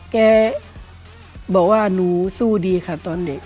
แกบอกว่าหนูสู้ดีค่ะตอนเด็ก